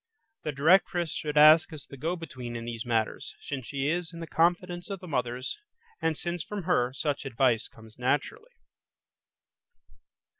The directress should act as the go between in these matters, since she is in the confidence of the mothers, and since from her, such advice comes naturally.